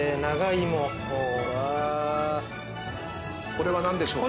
これは何でしょうか？